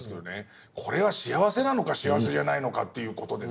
これは幸せなのか幸せじゃないのかっていう事でね。